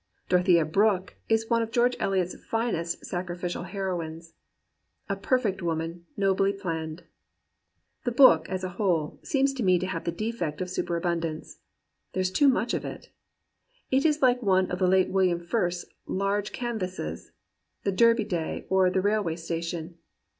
Dorothea Brooke is one of George Eliot's finest sacrificial heroines: "A perfect woman, nobly plann'd." The book, as a whole, seems to me to have the defect of superabundance. There is too much of it. It is like one of the late William Frith's large can vases, "The Derby Day," or "The Railway Sta tion."